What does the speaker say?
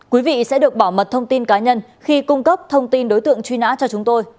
quý vị sẽ được bảo mật thông tin cá nhân khi cung cấp thông tin đối tượng truy nã cho chúng tôi